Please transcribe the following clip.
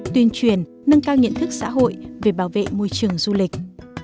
tuyên truyền nâng cao nhận thức xã hội về bảo vệ môi trường du lịch